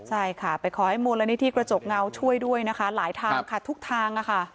ใช่ค่ะไปขอให้มูลนิธิกระจกเงาช่วยด้วยนะคะหลายทางค่ะทุกทาง